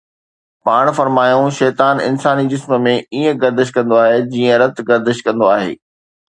پاڻ فرمايائون: شيطان انساني جسم ۾ ائين گردش ڪندو آهي جيئن رت گردش ڪندو آهي